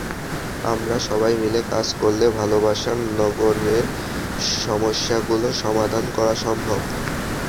আমরা সবাই মিলে কাজ করলে ভালোবাসার নগরের সমস্যাগুলো সমাধান করা সম্ভব।